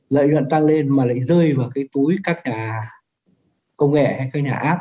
lợi nhuận tăng lên mà lại rơi vào cái túi các nhà công nghệ hay các nhà app